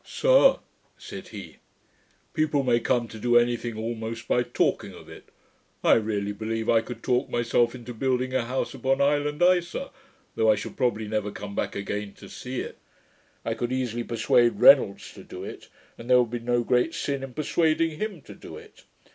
'Sir,' said he, 'people may come to do any thing almost, by talking of it. I really believe, I could talk myself into building a house upon island Isa, though I should probably never come back again to see it. I could easily persuade Reynolds to do it; and there would be no great sin in persuading him to do it.